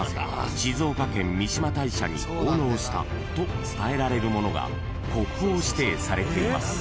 静岡県三嶋大社に奉納したと伝えられるものが国宝指定されています］